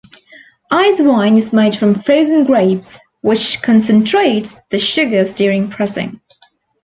Ice wine is made from frozen grapes, which concentrates the sugars during pressing.